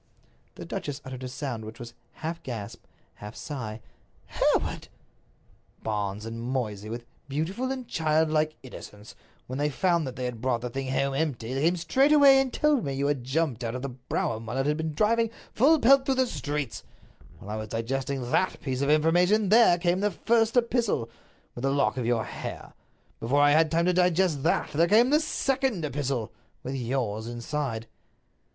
The duchess uttered a sound which was half gasp, half sigh. "Hereward!" "Barnes and Moysey, with beautiful and childlike innocence, when they found that they had brought the thing home empty, came straightway and told me that you had jumped out of the brougham while it had been driving full pelt through the streets. While I was digesting that piece of information there came the first epistle, with the lock of your hair. Before I had time to digest that there came the second epistle, with yours inside."